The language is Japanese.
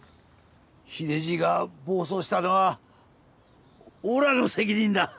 秀じいが暴走したのはおらの責任だ。